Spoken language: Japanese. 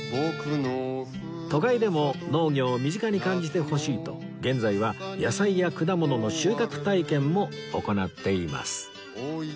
都会でも農業を身近に感じてほしいと現在は野菜や果物の収穫体験も行っています